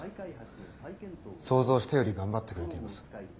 想像したより頑張ってくれています。